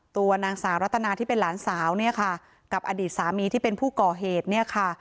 ตัวนางสาวรัตนาที่เป็นหลานสาวเนี่ยค่ะกับอดีตสามีที่เป็นผู้ก่อเหตุเนี่ยค่ะ